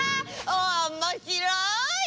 おもしろい！